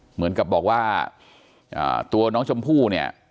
เหมือนกับบอกว่าตัวน้องชมพู่เนี่ย